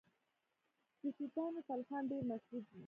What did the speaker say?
د توتانو تلخان ډیر مشهور دی.